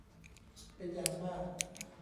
เป็นอย่างมาก